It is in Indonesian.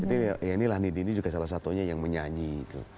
jadi ya ini lah nindi ini juga salah satunya yang menyanyi itu